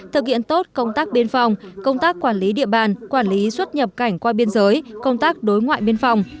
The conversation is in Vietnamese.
thực hiện tốt công tác biên phòng công tác quản lý địa bàn quản lý xuất nhập cảnh qua biên giới công tác đối ngoại biên phòng